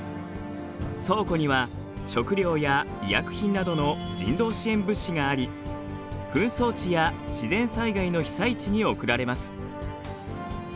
倉庫には食料や医薬品などの人道支援物資があり紛争地や自然災害の被災地に送られます。